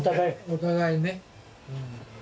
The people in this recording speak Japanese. お互いね。